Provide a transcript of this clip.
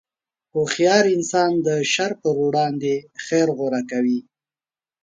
هوښیار انسان د شر پر وړاندې خیر غوره کوي.